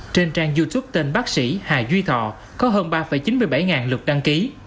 trên trang youtube tên bác sĩ hà duy thọ có hơn ba chín mươi bảy ngàn lượt đăng ký